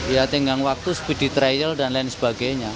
ya tenggang waktu spedi trial dan lain sebagainya